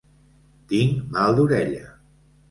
Tinc mal d'orella.